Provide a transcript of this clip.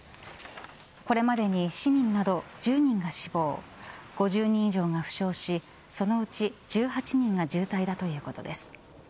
これまでに市民など１０人が死亡５０人以上が負傷しそのうち１８人が重体だということです。